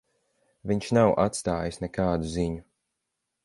Viņš nav atstājis nekādu ziņu.